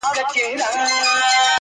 نه په پښو کي یې لرل کاږه نوکونه -